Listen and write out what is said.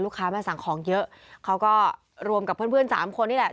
ค้ามาสั่งของเยอะเขาก็รวมกับเพื่อนเพื่อนสามคนนี่แหละ